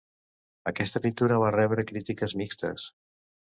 Aquesta pintura va rebre crítiques mixtes.